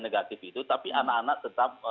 negatif itu tapi anak anak tetap